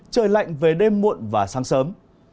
trời lạnh về đêm muộn và sáng sớm